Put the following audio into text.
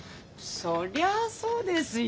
そりゃそうですよ。